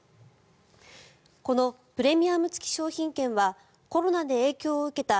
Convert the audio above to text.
このプレミアム付き商品券はコロナで影響を受けた